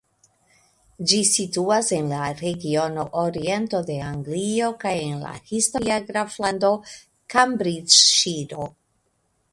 Ĝi situas en la regiono "Oriento de Anglio" kaj en la historia graflando "Kambriĝŝiro".